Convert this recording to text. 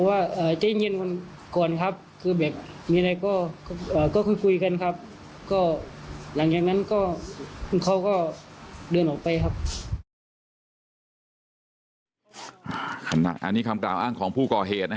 อันนี้คำกล่าวอ้างของผู้ก่อเหตุนะฮะ